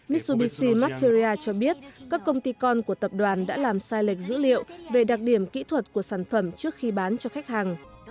mitsubishi mattheria cho biết các công ty con của tập đoàn đã làm sai lệch dữ liệu về đặc điểm kỹ thuật của sản phẩm trước khi bán cho khách hàng